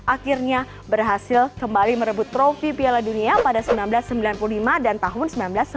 akhirnya berhasil kembali merebut trofi piala dunia pada seribu sembilan ratus sembilan puluh lima dan tahun seribu sembilan ratus sembilan puluh